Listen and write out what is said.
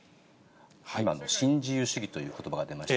今の新自由主義ということばが出ました。